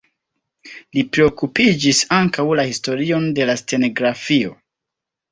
Li priokupiĝis ankaŭ la historion de la stenografio.